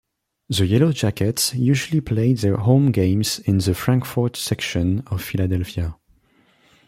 The Yellow Jackets usually played their home games in the Frankford section of Philadelphia.